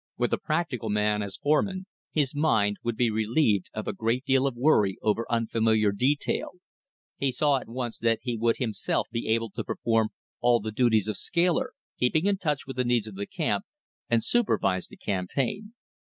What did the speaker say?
With a practical man as foreman, his mind would be relieved of a great deal of worry over unfamiliar detail. He saw at once that he would himself be able to perform all the duties of scaler, keep in touch with the needs of the camp, and supervise the campaign.